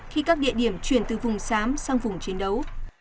khi các địa điểm chuyển từ vùng sám sang vùng chiến đấu